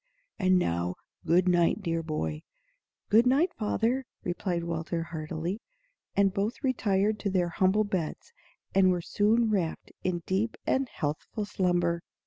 And now, good night, dear boy." "Good night, father," replied Walter, heartily; and both retired to their humble beds, and were soon wrapped in deep and healthful slumber.